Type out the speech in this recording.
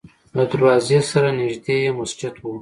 له دروازې سره نږدې یې مسجد و.